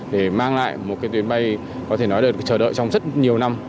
để mang lại một cái tuyến bay có thể nói được chờ đợi trong rất nhiều năm